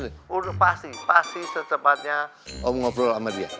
pasti pasti secepatnya om ngobrol sama dia